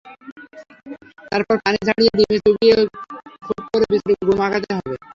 তারপর পানি ঝরিয়ে ডিমে চুবিয়ে খুব করে বিস্কুটের গুঁড়ো মাখাতে হবে।